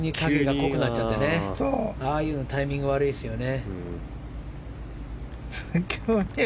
ああいうのタイミングが悪いですよね。